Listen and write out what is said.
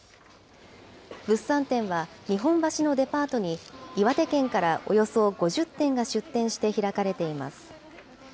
物産展は、日本橋のデパートに、岩手県からおよそ５０店が出店して開かれています。